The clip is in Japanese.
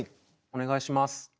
お願いします。